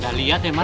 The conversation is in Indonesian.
wah gak liat ya mas